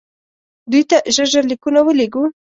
دوی ته ژر ژر لیکونه ولېږو.